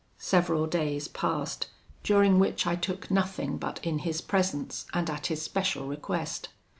Several days passed, during which I took nothing but in his presence, and at his special request.